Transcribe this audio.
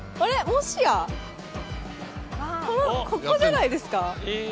もしやここじゃないですか？